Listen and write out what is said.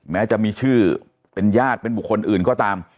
แม้จะมีชื่อเป็นญาติเป็นบุคคลอื่นก็ตาม